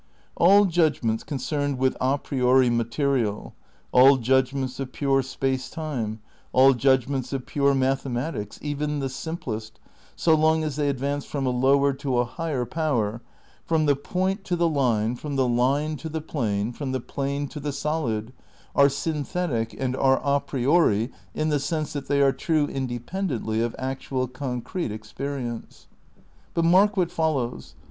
All judgments concerned with a priori material, all judgments of pure space time, all judgments of pure mathematics, even the simplest, so long as they ad vance from a lower to a higher power — from the point 6 THE NEW IDEALISM i ta the line, from th.e line to the plane, from the plane to the solid — are synthetic and are a priori in the sense that they are true independently of actual concrete experience. But mark what follows.